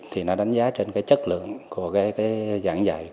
thì nó đánh giá trên chất lượng của giảng dạy